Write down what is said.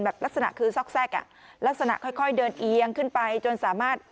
ลักษณะคือซอกแทรกอ่ะลักษณะค่อยเดินเอียงขึ้นไปจนสามารถ